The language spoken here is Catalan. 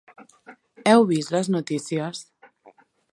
¿Heu vist les notícies?